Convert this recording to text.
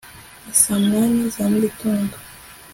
ni saa munani za mugitondo